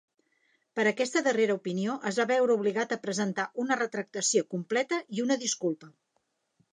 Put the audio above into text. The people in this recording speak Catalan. Per aquesta darrera opinió, es va veure obligat a presentar una retractació completa i una disculpa.